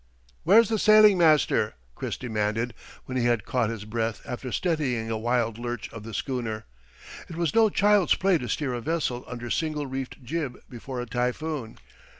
"Where's the sailing master?" Chris demanded when he had caught his breath after steadying a wild lurch of the schooner. It was no child's play to steer a vessel under single reefed jib before a typhoon.